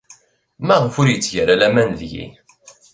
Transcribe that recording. Maɣef ur yetteg ara laman deg-i?